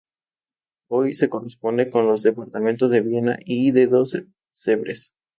Hoy, se corresponde con los "departamentos" de Viena y de Dos-Sevres.